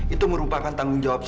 itu merupakan tanggung jawabnya